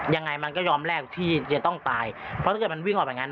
ยังไงมันก็ยอมแรกที่จะต้องตายเพราะถ้าเกิดมันวิ่งออกไปอย่างนั้น